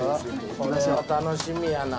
これは楽しみやな。